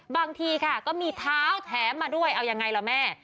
บางทีค่ะก็มีเท้าแถมมาด้วยเอายังไงล่ะแม่